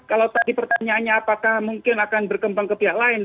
kalau tadi pertanyaannya apakah mungkin akan berkembang ke pihak lain